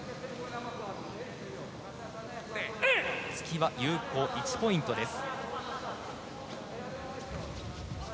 突きは有効１ポイントです。